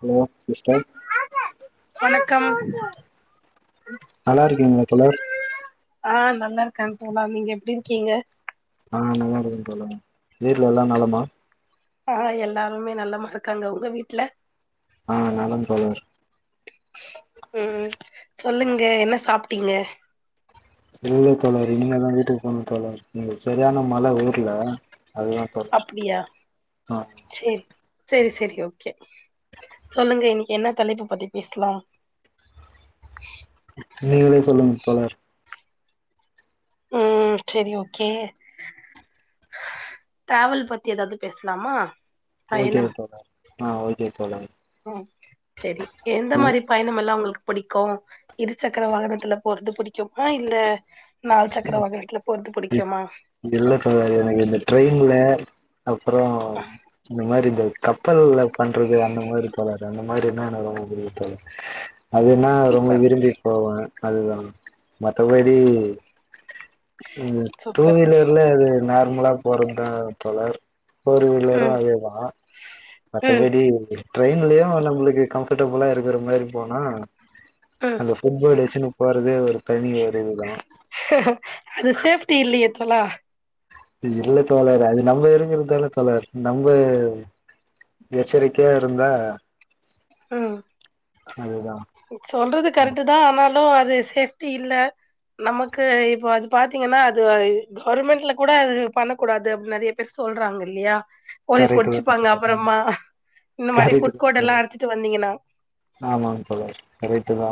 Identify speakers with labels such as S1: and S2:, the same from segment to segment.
S1: hello sister
S2: வணக்கம்
S1: நல்லா இருக்கீங்களா தோழர்
S2: ஆ நல்லா இருக்கே தோழா நீங்க எப்டி இருக்கீங்க
S1: அ நல்லா இருக்கே தோழர் வீட்ல எல்லாம் நலமா
S2: ஆ எல்லாருமே நலமா இருக்காங்க உங்க வீட்ல
S1: ஆ நலம் தோழர்
S2: ம் சொல்லுங்க என்ன சாப் ட்டீங்க
S1: இல்ல தோழர் இனிமேதா வீட்டுக்கு போனு தோழர் இங்க செரியான மழ ஊர்ல அதுதா தோழர்
S2: அப்டியா
S1: ஆ
S2: சேரி செரி செரி ஓகே சொல்லுங்க இன்னைக்கு என்ன தலைப்பு பத்தி பேசலாம்
S1: நீங்களே சொல்லுங்க தோழர்
S2: ம் செரி ஓகே டிராவல் பத்தி ஏதாவது பேசலாமா
S1: ஓகே
S2: பயணம்
S1: தோழர் ஆ ஓகே தோழரே
S2: ம் செரி எந்த மாதிரி பயணம் எல்லாம் உங்களுக் பிடிக்கூ இரு சக்கர வாகனத்துல போறது புடிக்குமா இல்ல நாலு சக்கர வாகனத்துல போறது புடிக்குமா
S1: இது இல்ல தோழர் எனக்கு இந்த ட்ரெயின்ல அப்பறோ இந்தமாரி இது கப்பல்ல பண்றது அந்த மாரி தோழர் அந்த மாரின எனக்கு ரொம்ப புடிக்கூ தோழர் அதுனா ரொம்ப
S2: சூப்பர்
S1: விரும்பி போவே அதுதா மத்தபடி உ டூ
S2: சூப்பர்
S1: வீலர்ல அது நார்மலா போற அ தோழர் ஃபோர் வீலரும்
S2: ம்
S1: அதேதா
S2: ம்
S1: மத்தபடி ட்ரெயின்லயு நம்மளுக்கு கம்ஃபர்டபுளா இருக்கிற மாரி போனா
S2: ம்
S1: அந்த ஃபுட்போர்டு துனு போறதே ஒரு தனி ஒரு இதுதா
S2: அது சேஃப்டி இல்லையே தொழா
S1: இல்ல தோழர் அது நம்ம இருங்கறதால தோழர் நம்ம எச்சரிக்கையா இருந்தா
S2: ம்
S1: அதுதா
S2: சொல்றது கரெக்டு தா ஆனா அது சேஃப்டி இல்ல நமக்கு இப்போ அது பாத்தீங்கன்னா அது கவர்மெண்ட்ல கூட அது பண்ணக்கூடாது அப்டின் நெறைய பேரு சொல்றாங்க இல்லையா போலீஸ்
S1: கரெக்ட் தா
S2: புடிச்சுப்பாங்க
S1: தோழர்
S2: அப்புறமா இந்த மாரி
S1: கரெக்ட் தா
S2: ஃபுட்கோடல்லா
S1: தோழர்
S2: அடச்சுட்டு வந்தீங்கன்னா
S1: ஆமாங்க தோழர் கரைட்டு தா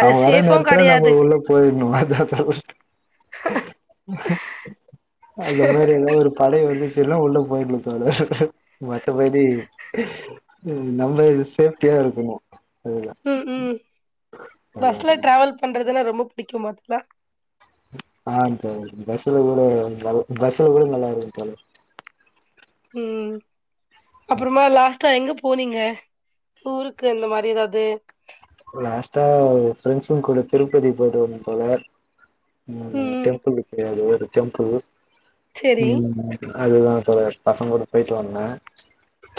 S2: அது
S1: அவங்க வர
S2: சேஃபு
S1: நேரத்துல நம்ம
S2: கெடையாது
S1: உள்ள போயிடணும் அதா [unintelligible] அந்த மாரி ஏதாவது ஒரு படைய வந்துச்சுன்னா உள்ள போயிணு [unintelligible] மத்தபடி நம்ம சேப்டியா இருக்கணும்
S2: ம் ம்
S1: அதுதா
S2: பஸ்ல
S1: தோழர்
S2: ட்ராவல் பண்றதுன்னா ரொம்ப பிடிக்கும்பாதுல்ல
S1: ஆ தோழர் பஸ்ல கூட பஸ்ல கூட நல்லா இருக்கு தோழர்
S2: ம் அப்புறமா லாஸ்ட்டா எங்க போனீங்க ஊருக்கு இந்த மாரி ஏதாவது
S1: லாஸ்ட்டா ஃப்ரெண்ட்ஸு கூட திருப்பதி போயிட்டு வந்தே தோழர் ம் டெம்புல் [unintelligible] டெம்புள்
S2: சேரி
S1: [unintelligible] அதுதா தோழர் பசங்க கூட போயிட்டு வந்தே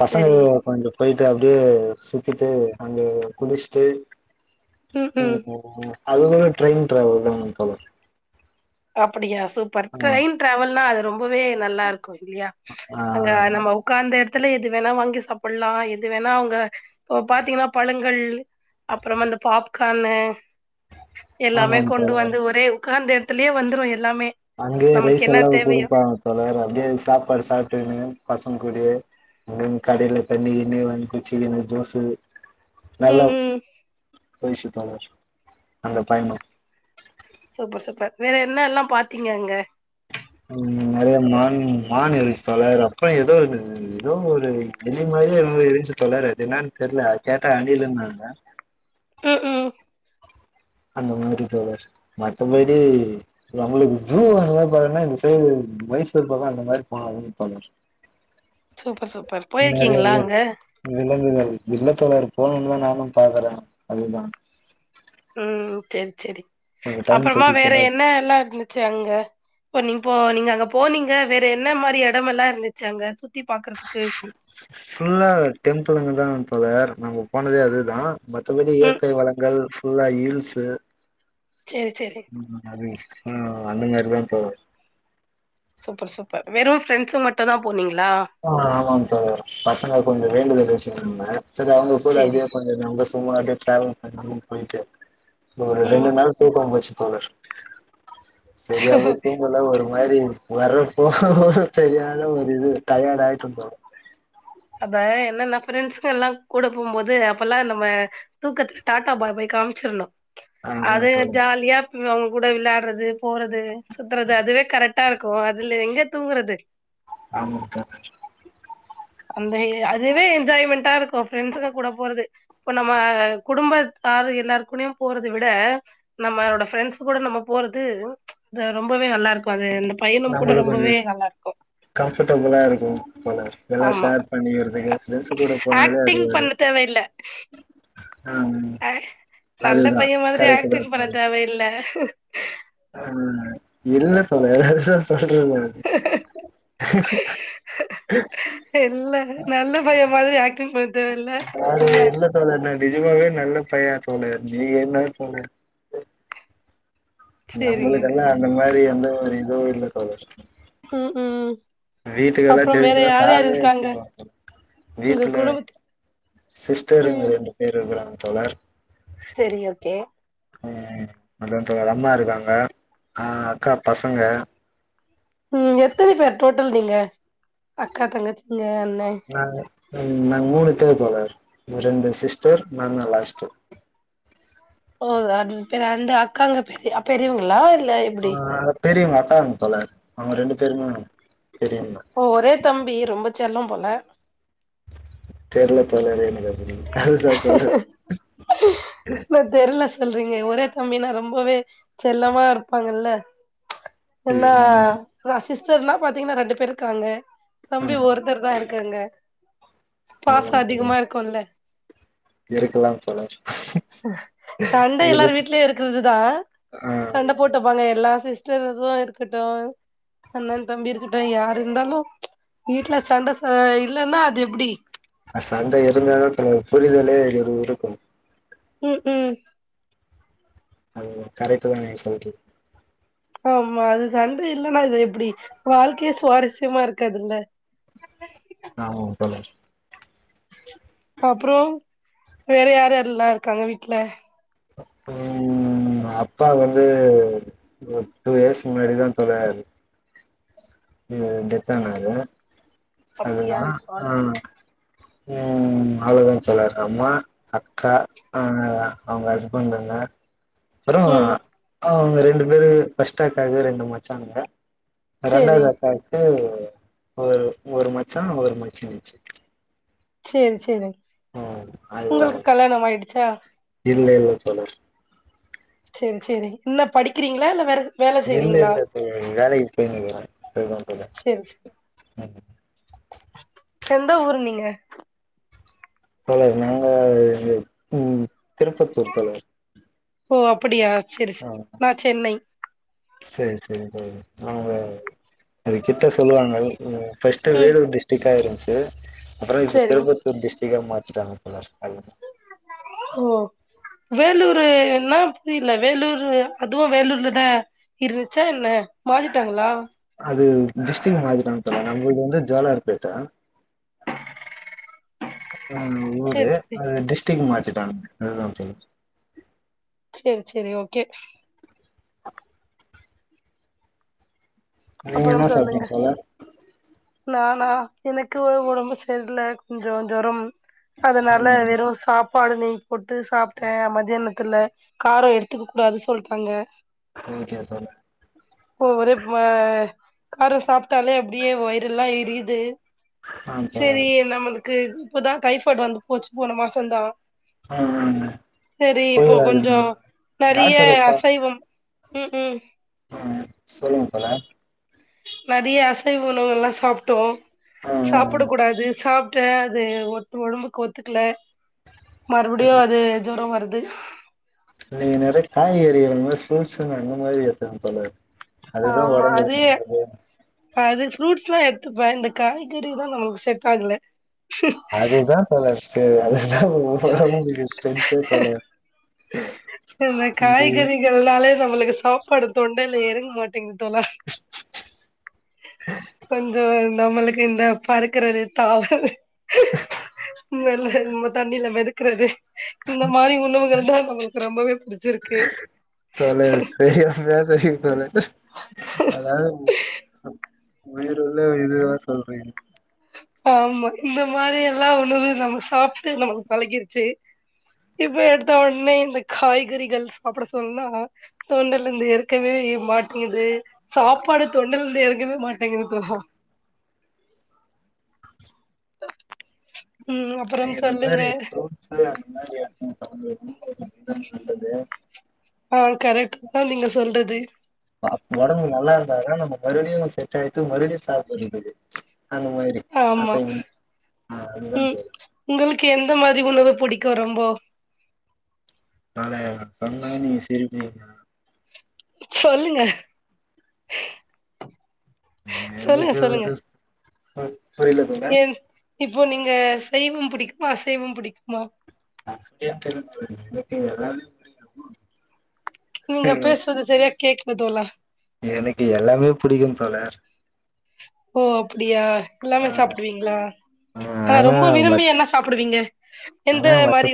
S1: பசங்க
S2: சேரி
S1: கொஞ்ச போயிட்டு அப்படியே சுத்திட்டு அங்க குளிச் டு
S2: ம் ம்
S1: [unintelligible] அதுலலா ட்ரெயின் ட்ராவல் தான் தோழர்
S2: அப்படியா சூப்பர்
S1: ஆ
S2: ட்ரெயின் ட்ராவல்னா அது ரொம்பவே நல்லா இருக்கு இல்லையா அங்க
S1: ஆ
S2: நம்ம உக்காந்து த்துல எது வேணா வாங்கி சாப்டலா எது வேணா அங்க இப்ப பாத்தீங்கன்னா பழங்கள் அப்புறம் அந்த பாப்கார்ன்னு எல்லாமே
S1: ஆமாம்
S2: கொண்டு
S1: தோழர்
S2: வந்து ஒரே கொன்னாந்து எத் துலயே வந்துரு எ
S1: அங்கேயே ரைஸ் எல்லா கொடுப்பாங்க தொழர் அப்படியே சாப்பாடு சாப்ட்டன்னு பசங் கூடயே அங்க கடையில தண்ணி தின்னி கூச்சனு ஜூஸ்ஷு
S2: ம் ம்
S1: போயசுத்தோழர் அந்த பயமா
S2: சூப்பர் சூப்பர் வேற என்னல்லா பாத்தீங்க அங்க
S1: ம் நெறைய மான் மான் இருஞ்ச்சு தோழர் அப்புற ஏதோ ஏதோ ஒரு எளி மாரியே இருஞ்சு தோழர் அது என்னன்னு தெரியல கேட்டா அணிலுன்னாங்க
S2: ம் ம்
S1: அந்த மாரி தோழர் மத்தபடி நம்மளுக்கு ஜூ அந்த மாரி பான்னா இந்த சைடு மயசூர் பக்கம் அந்த மாரி போனத தொடரு
S2: சூப்பர் சூப்பர் போயிருக்கீங்களா அங்க
S1: இல்லத்தோழர் போணும்னுதா நானு பாக்குறே அதுதா
S2: ம் சேரி சேரி
S1: கொஞ்சோ டைம்
S2: அப்பறமா வேற
S1: கெடச்சிச்சுன்னா
S2: என்ன எல்லா இருந்துச்சு அங்க இப்ப நீ இப்போ நீங்க அங்க போனீங்க வேற என்ன மாரி எடமல்லா இருந்துச்சு அங்க சுத்தி பாக்குறதுக்
S1: ஸ்கூல்ல டெண்த் வந்தாங்க தோழர் நம்ம போனதே அதுதா மத்தபடி
S2: ம்
S1: இயற்கை வளங்கள் ஃபுல்லா ஹீல்ஸ்சு
S2: சேரி சேரி
S1: ம் அது ஆ அந்த மாரிதா போவோ
S2: சூப்பர் சூப்பர் வெறும் ப்ரண்ட்சு மட்டு தா போனீங்
S1: ஆ ஆமாங்க தோழர் பசங்க கொஞ்ச வேண்டுதலு பொறும்ம சரி அவங்க கூட
S2: சேரி
S1: அப்டியே கொஞ்ச நம்பர்ஸ் சும்மா அப்டியே சேலம் போய் ரூம் போய்ட்டு ஒரு ரெண்டு
S2: ம்
S1: நாள் தூக்கம் போச்சு அவ சரியாவே தூங்கல ஒரு மாரி வர போக தெரியாத ஒரு இது டயர்டா ஆய்ட ப்ரோ
S2: அதா என்னன்ன பிரெண்ட்ஸுங்கல்லா கூட போகும்போது அப்பெல்லா நம்ம தூக்கத்துல டாடா பாய் பாய் காமிசிரனு
S1: ஆமா
S2: அது
S1: தோழர்
S2: ஜாலியாப் அவங்க கூட விளையாடுறது போறது சுத்துறது அதுவே கரெக்டாருக்கு அதுல எங்க தூங்குறது
S1: ஆமக்கா
S2: அந்த அதுவே என்ஜாய்மெண்டா இருக் ஃப்ரெண்ட்ஸ்க கூட போறது இப்ப நம்ம குடும்பத்தார் எல்லாருக்குள்ளயு போறத விட நம்மளோட ஃப்ரெண்ட்ஸ் கூட நம்ம போறது ரொம்பவே நல்லாருக்கு அது பையனும் கூட
S1: நம்முளுக்கு ஒரு
S2: ரொம்பவே நல்லா இருக்கு
S1: கம்ஃபர்ட்டபுளா இருக்கும் போல விளாஸ்
S2: ஆமா
S1: ஷேர் பண்ணிக்கிறதுக்கு ஃப்ரெண்ட்சு கூட போனாலே அது
S2: ஆக்டிங்
S1: ஒரு
S2: பண்ண தேவையில்ல
S1: ஆமா
S2: ஆ-
S1: அதுதா கரட்டுதா பாக்லா இருப்பால
S2: அஹு
S1: ம் இல்ல தோழர்
S2: இல்ல நல்ல பைய
S1: [unintelligible]
S2: மாதிரி ஆக்டிங் ப
S1: அதாவது இல்ல தோழர் நா நிஜமாவே நல்ல பைய தோழர் நீங்க என்ன தோழர்
S2: சேரிங்க
S1: நம்மளுக்கெல்லா அந்த மாரி எந்த ஒரு இதுவு இல்ல தோழர்
S2: ம் ம்
S1: வீட்டுக்கு எல்லா
S2: அப்புறம் வேற
S1: தெரிஞ்சுச்சுனா
S2: யார் யார்
S1: சாவே
S2: இருக்காங்க
S1: அச்சுருவாங்க தோழர்
S2: உங்க
S1: வீட்ல
S2: குடும்பத்
S1: சிஸ்டருங்க
S2: ம்
S1: ரெண்டு பேரு இருக்குறாங்க தோழர்
S2: சரி ஓகே
S1: ம் அதா தோழர் அம்மா இருக்காங்க ஆ அக்கா பசங்க
S2: ம் எத்தனை பேர் டோட்டல் நீங்க அக்கா தங்கச்சிங்க அண்
S1: நா நாங்க மூணு பேர் தோழர் ரெண்டு சிஸ்டர் நான்தா லாஸ்ட்டு
S2: ஓ அ பி ரெண்டு அக்காங்க பெரிய பெரியவங்களா இல்
S1: ஆ தெரியுங்க அதான் தோழர் அவுங்க ரெண்டு பேருமே பெரியவங்க
S2: அப்போ ஒரே தம்பி ரொம்ப செல்லம் போல
S1: தெர்ல தோழர் எனக்கு அப்படி அதுதா தோழர்
S2: இல்ல தெர்ல சொல்றீங்க ஒரே தம்பினா ரொம்பவே செல்லமா இருப்பாங்கல்ல என்னா
S1: ம்
S2: ரஸ் சிஸ்டர்னா பாத்தீங்கன்னா ரெண்டு பேரு இருக்காங்க தம்பி
S1: ஆமா
S2: ஒருத்தர்தா இருக் இருக்காங்க பாசம்
S1: ஆமாங்
S2: அதிகமா
S1: தோழர்
S2: இருக்கோல
S1: இருக்கலாம் தோழர்
S2: சண்ட
S1: இரு
S2: எல்லாரு வீட்லயோ இருக்குறதுதா
S1: ஆ
S2: சண்ட போட்டுப்பாங்க எல்லா சிஸ்டர்ஸுலா இருக்கட்டோ அண்ணன் தம்பி இருக்கட்டோ யாரு இருந்தாலு வீட்ல சண்ட ச இல்லன்னா அது எப்புடி
S1: அ சண்ட இருந்தாலு தோழர் புரிதலே இரு இருக்கோ
S2: ம் ம்
S1: அது ஒ கரக்ட்டுதா நீங்க சொல்றது
S2: ஆமா அது சண்ட இல்லன்னா அது எப்புடி வாழ்க்கயே சுவாரஸ்யமா இருக்காதுல்ல
S1: ஆமாங் தோழர்
S2: அப்புறம் வேற யார யாரல்லாம் இருக்காங்க வீட்டு்ல
S1: உம் அப்பா வந்து ஒரு டூ இயர்ஸ் முன்னாடிதான் தோழர் டெத்தானாரு
S2: அப்டியா
S1: அதுதான்
S2: சாரி
S1: ஆஹ் உம் அவ்வளதாங்க தோழர் அம்மா அக்கா அஹ் அவங்க ஹஸ்பண்டுங்க அப்றம்
S2: ம்
S1: அக்காமரி ரெண்டு பேரு பஸ்ட்டாக்காகிட்டாங்க ரெண்டு மச்சானுக
S2: சேரி
S1: ரெண்டாவது அக்காவுக்கு ஒரு ஒரு மச்சா ஒரு மச்சினிச்சி
S2: சேரி சேரி உங்களுக்கு கல்யாணம் ஆயிடு அச்சா
S1: இல்லேயில்ல தோழர்
S2: சரி சரி இன்னு படிக்கிறீங்களா இல்ல வேற வேல
S1: இல்ல
S2: செய்றீங்களா
S1: இல்ல தோழர் வேலைக்கு போயினுருக்கேன்
S2: சேரி சேரி
S1: [unintelligible]
S2: எந்த ஊரு நீங்க
S1: தோழி நாங்க உம் திருப்பத்தூர் தோழர்
S2: ஓ அப்படியா
S1: ஆஹ் சரி சரி தோழர் அவங்க அது கிட்ட சொல்லுவாங்கள் ம் ஃபஸ்ட்
S2: ம்
S1: வேலூர் டிஸ்டிக் ஆ இருந்திச்சு எது அப்புறம் இது
S2: சேரி
S1: திருப்பத்தூர் டிஸ் பேரு மாத்திட்டாங்க தோழர்
S2: ஓ வேலூரு என்ன புரியல வேலூர் அதுவும் வேலூர்லதான் இருந்துச்சா இல்ல மாதிட்டாங்களா
S1: டிஸ்டிக் மாத்திட்டாங்க தோழர் நம்ம இது வந்து ஜோலார்பேட்ட அ
S2: சேரி
S1: ஊரு
S2: சேரி
S1: அது டிஸ்டிக் மாதி டாங் அதுதான் தோழர்
S2: சேரி சேரி ஓகே
S1: நீங்க
S2: அப்புறம்
S1: என்ன
S2: சொல்லுங்க
S1: சாப்டிங்க தோழர்
S2: நானா எனக்கு வே ஒடம்பு சேரல கொஞ்சோ ஜொரம் அதுனாலா வெறு சாப்பாடு நெய் போட்டு சாப்ட்டே அ மதியானத்துல காரொ எடுத்துக்க கூடாது சொல்ட்டாங்க
S1: ஓகே தோழர்
S2: ஒ ஒரே வா கார சாப்ட்டாலே அப்டியே வயி எரியிது
S1: ஆ
S2: சேரி
S1: தோழர்
S2: நம்ம கு இப்பதா டைஃபாய்ட் வந்து போச்சு போன மாசோ தா
S1: ஆமா
S2: கொஞ்சோ
S1: போயகணும்லே
S2: நெறைய
S1: டாக்டரப்பா
S2: அசைவம் ம் ம்
S1: ஆ சொல்லுங்கப்பல [unintelligible]
S2: மதிய அசைவ உணவுலா சாப்ட்டோ சாப்புட கூடாது சாப் ட்டது ஒட்டு ஒடம்புக்கு ஒத்துகல மறுபடியு அது ஜொரோ வருத் து
S1: நீ நெறை காய்கறின்னு ஃரூட்ஸ்ன்னு அந்த மாரி எடுத்துக்க தோழர் அதுதான்
S2: ஆமா அது
S1: உடம்புக்கு நல்லது
S2: அது ஃப்ரூட்ஸ்லா எடுத் பே இந்த காய்கறி தா நம்மளுக்கு செட் ஆகல
S1: அது தா [unintelligible] செரி அத அது ஒடம்புக்கு ஸ்ட்ரென்த்தே தோல
S2: இந்த காய்கறிகள்னால நம்மளுக்கு சாப்பாடு தொண்டைல எறங்க மாட்டேங்கு தோலா கொஞ்சோ நம்மளுக்கு இந்த பறக்கறது தாவுறது வேர மெல்ல தண்ணியில மெதக்குறது இந்த மாரி உணவுகள் தா நம்மளுக்கு ரொம்பவே புடிச்சிருக்கு
S1: தோழா சரியான [unintelligible] தோழா அதாவது உயிருள்ள இதுதான் சொல்றே
S2: ஆமா இந்த மாரி எல்லாம் உணவு நம்ம சாப்ட்டு நமக்கு பழகிருச்சு இப்ப எடுத்த ஒடனே இந்த காய்கறிகள் சாப்புட சொன்னா தொண்டைலருந்து எறகவே மாட்டேங்குது சாப்பாடு தொண்டல இருந்து எறங்கவே மாட்டேங்குது தோழா ம்
S1: நீ
S2: அப்புறம்
S1: இந்த
S2: சொல்லுங்க
S1: மாரி ஃப்ருட்ஸ் அந்த மாறி ஏதாச்சுனா [unintelligible] நல்லது
S2: ஆ கரெக்ட் தா நீங்க சொல்றது
S1: ஒடம்பு நல்லாருந்தா தா நம்ம மறுபடியு செட் ஆயிட்டு மறுபடியு சாப்புடரத்துக்கு அந்த மாரி
S2: ஆமா
S1: அசைவம் ஆ அதுதா
S2: க்கு எந்த மாரி உணவு புடிக்கு ரொம்போ
S1: நானே சொன்னா நீங்க சிரிப்பீங்க
S2: சொல்லுங்க சொல்லுங்க
S1: எனக்கு
S2: சொல்லுங்க
S1: வந்து புரில மேடம்
S2: ஏன் இப்போ நீங்க சைவம் புடிக்குமா அசைவம் புடிக்குமா
S1: அப்டின்னு தெர்ல தோழி எனக்கு எல்லாமே புடிக்கு
S2: நீங்க பேசறது சரியா கேக் கல தோழா
S1: எனக்கு எல்லாமே புடிக்கு தோழர்
S2: ஓ அப்புடியா
S1: ஆ
S2: எல்லாமே சாப்டுவிங்ளா ஆ ரொம்ப விரும்பி என்ன சாப்பிடுவிங்க
S1: அத வத்து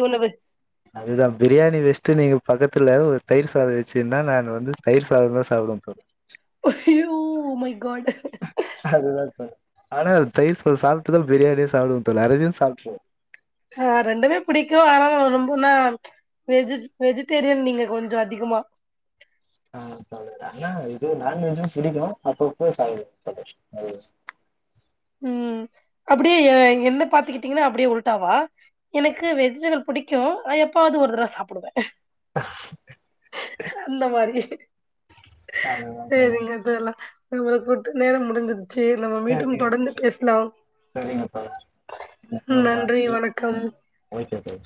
S1: அதுதா பிரியாணி வெச்ட்டு நீங்க பக்கத்துல ஒரு தயிர் சாதோ வச்சிருந்தா நானு வந்து தயிர் சாதந்தா சாப்டுவ தோழி
S2: அய்யோ மை காட்
S1: அதுதா சொன்ன ஆனா தயிர் சாதோ சாப்ட்டுதா பிரியாணியே சாப்டுவ தோழர் [unintelligible] சாப்ட்ருவ
S2: ஆ ரெண்டுமே பிடிக்கு ஆனா ரொம்பமே வெஜ் வெஜிடேரியன் நீங்க கொஞ்சோ அதிகமா
S1: ஆ தோழர் ஆனா இது நான்வெஜு புடிக்கு அப்பப்ப சாப்டுவ [unintelligible]
S2: ம் அப்டியே என்ன பாத்துக்கிட்டிங்னா அப்டியே உல்ட்டாவா எனக்கு வெஜிடபிள் புடிக்கு ஆனா எப்பாவுது ஒரு தடவ சாப்பிடுவ அந்த மாரி
S1: அதுதா தோழர்
S2: செரிங்க தோழா நம்முளுக்கு குடுத்த நேரோ முடிஞ்சது சேரி நம்ம மீண்டு
S1: சரிங்க
S2: ந்து
S1: தோழர்
S2: பேசலாம்
S1: சரிங்க தோழர் நம்ம-
S2: நன்றி வணக்கம்
S1: ஓகே தோழர்